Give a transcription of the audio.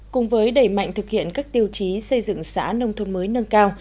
cùng với đẩy mạnh thực hiện các tiêu chí xây dựng xã nông thôn mới nâng cao